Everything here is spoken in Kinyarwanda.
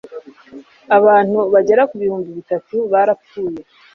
Abantu bagera ku bihumbi bitatu barapfuye